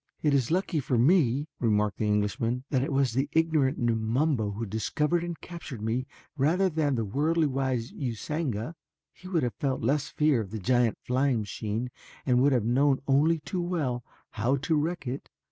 "It is lucky for me," remarked the Englishman, "that it was the ignorant Numabo who discovered and captured me rather than the worldly wise Usanga. He would have felt less fear of the giant flying machine and would have known only too well how to wreck it."